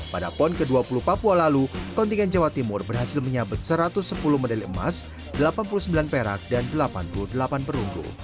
pada pon ke dua puluh papua lalu kontingen jawa timur berhasil menyabet satu ratus sepuluh medali emas delapan puluh sembilan perak dan delapan puluh delapan perunggu